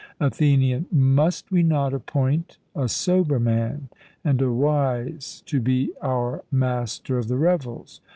ATHENIAN: Must we not appoint a sober man and a wise to be our master of the revels?